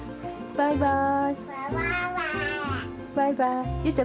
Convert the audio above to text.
バイバイ。